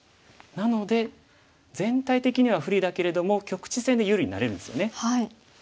なので全体的には不利だけれども局地戦で有利になれるんですよね。